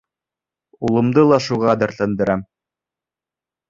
Улымды ла шуға дәртләндерәм.